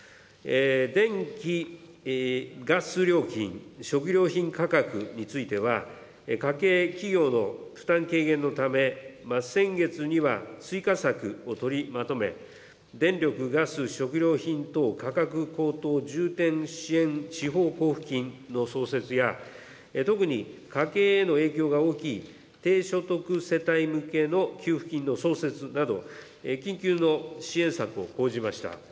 電気・ガス料金、食料品価格については、家計、企業の負担軽減のため、先月には追加策を取りまとめ、電力・ガス、食料品等価格高騰重点支援地方交付金の創設や、特に家計への影響が大きい、低所得世帯向けの給付金の創設など、緊急の支援策を講じました。